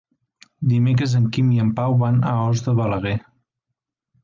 Dimecres en Quim i en Pau van a Os de Balaguer.